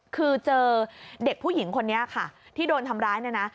คือเจอเด็กผู้หญิงคนนี้ค่ะที่โดนทำร้ายเนี่ยนะ